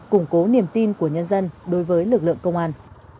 củng cố niềm tin của nhân dân đối với lực lượng công an